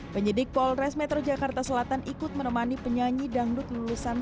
penyidik polres metro jakarta selatan ikut menemani penyanyi dangdut lulusan